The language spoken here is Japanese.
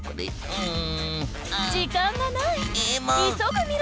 うん。